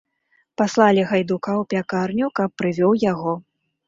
Паслалі гайдука ў пякарню, каб прывёў яго.